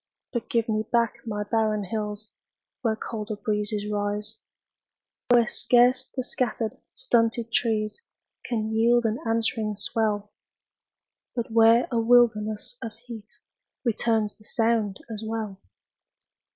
But give me back my barren hills Where colder breezes rise; Where scarce the scattered, stunted trees Can yield an answering swell, But where a wilderness of heath Returns the sound as well.